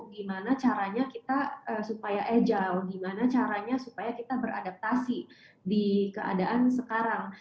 gimana caranya kita supaya agile gimana caranya supaya kita beradaptasi di keadaan sekarang